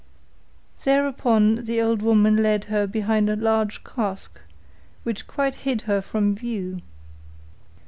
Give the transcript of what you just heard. Thereupon the old woman led her behind a large cask, which quite hid her from view.